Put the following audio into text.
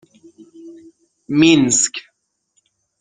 مینسک